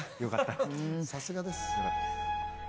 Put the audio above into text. さすがです。